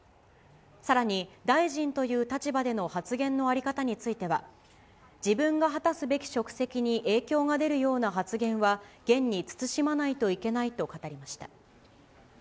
さらに大臣という立場での発言の在り方については、自分が果たすべき職責に影響が出るような発言は、厳に慎まないといけないと語りました。